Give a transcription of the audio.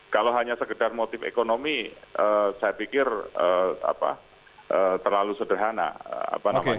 kalau hanya sekedar motif ekonomi saya pikir terlalu sederhana